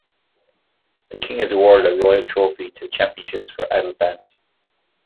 The King has awarded a royal trophy to the championships for adult bands.